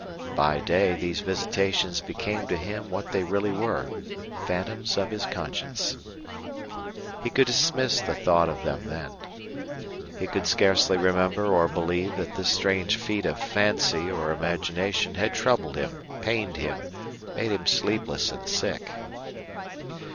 By day these visitations became to him what they really were phantoms of his conscience. He could dismiss the thought of them then. He could scarcely remember or believe that this strange feat of fancy or imagination had troubled him, pained him, made him sleepless and sick.